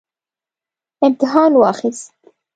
امتحان واخیست